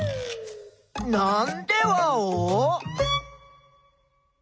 なんでワオ？